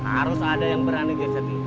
harus ada yang berani geseti